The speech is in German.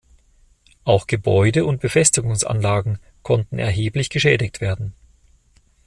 Auch Gebäude- und Befestigungsanlagen konnten erheblich geschädigt werden.